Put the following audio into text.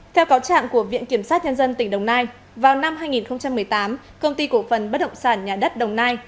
theo cáo trạng của viện kiểm sát nhân dân tỉnh đồng nai vào năm hai nghìn một mươi tám công ty cổ phần bất động sản nhà đất đồng nai